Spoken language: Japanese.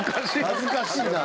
恥ずかしいな。